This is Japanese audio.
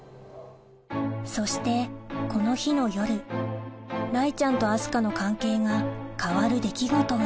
そしてこの日の夜雷ちゃんと明日香の関係が変わる出来事が